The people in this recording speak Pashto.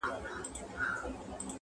سایله اوس دي پر دښتونو عزرائیل وګوره-